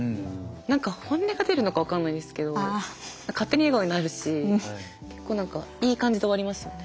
何か本音が出るのか分かんないですけど勝手に笑顔になるし結構何かいい感じで終わりますよね。